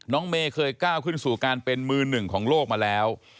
เมย์เคยก้าวขึ้นสู่การเป็นมือหนึ่งของโลกมาแล้ว